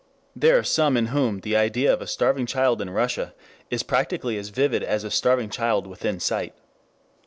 There are some in whom the idea of a starving child in Russia is practically as vivid as a starving child within sight.